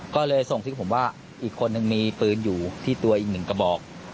ก็เลยส่งคลิปผมว่าอีกคนนึงมีปืนอยู่ที่ตัวอีกหนึ่งกระบอก